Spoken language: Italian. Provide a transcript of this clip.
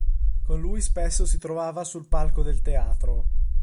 Con lui spesso si trovava sul palco del teatro.